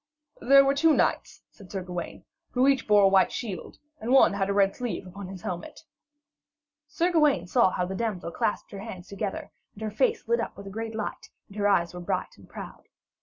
'There were two knights,' said Sir Gawaine, 'who each bore a white shield, and one had a red sleeve upon his helmet.' Sir Gawaine saw how the damsel clasped her hands together, and her face lit up with a great light and her eyes were bright and proud.